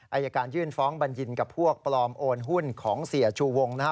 อายการยื่นฟ้องบัญญินกับพวกปลอมโอนหุ้นของเสียชูวงนะฮะ